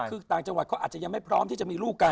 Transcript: คือต่างจังหวัดเขาอาจจะยังไม่พร้อมที่จะมีลูกกัน